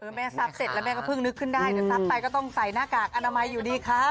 แม่ซับเสร็จแล้วแม่ก็เพิ่งนึกขึ้นได้เดี๋ยวซับไปก็ต้องใส่หน้ากากอนามัยอยู่ดีครับ